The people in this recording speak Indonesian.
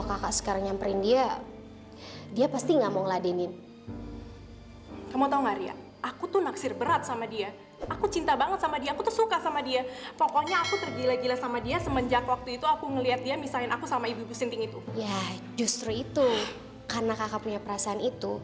karena kakak punya perasaan itu